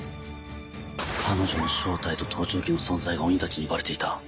彼女の正体と盗聴器の存在が鬼たちにバレていた。